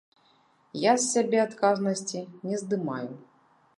Я з сябе адказнасці не здымаю.